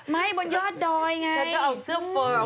ไม่บนยอดดอยไง